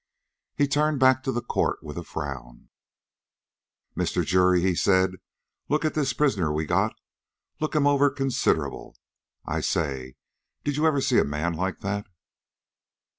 He turned back to the court with a frown. "Mr. Jury," he said, "look at this prisoner we got. Look him over considerable. I say, did you ever see a man like that?